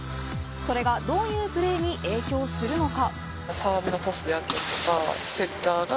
それがどういうプレーに影響するのか。